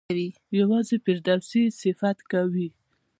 یوازې فردوسي یې صفت کوي.